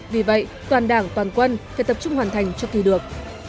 vì vậy toàn đảng toàn quân phải tập trung hoàn thành trước khi được